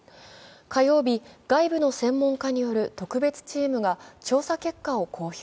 火曜日、外部の専門家による特別チームが調査結果を公表。